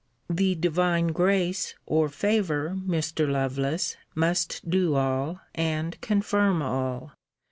The divine grace, or favour, Mr. Lovelace, must do all, and confirm all.